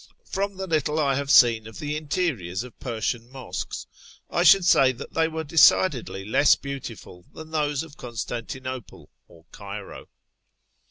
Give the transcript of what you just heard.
From the little I have seen of the interiors of Persian mosques, I should say that they were decidedly less beautiful than those of Constantinople or Cairo.